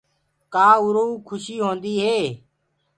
ڪآ اُروئو کُشي هوندي ئي